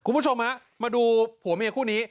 คุณผู้ชมฮะมาดูผัวเมียคู่นี้